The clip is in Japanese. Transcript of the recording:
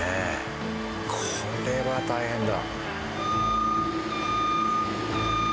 これは大変だ。